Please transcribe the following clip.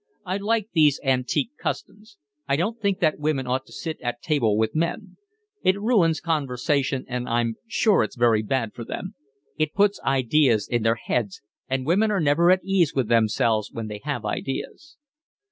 I like these antique customs. I don't think that women ought to sit down at table with men. It ruins conversation and I'm sure it's very bad for them. It puts ideas in their heads, and women are never at ease with themselves when they have ideas."